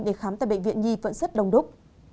để khám tại bệnh viện nhi vẫn rất đông đúc